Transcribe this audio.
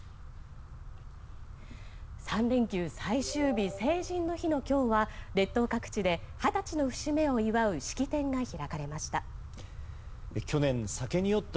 ３連休最終日成人の日の今日は列島各地で、二十歳の節目を祝う式典が開かれました。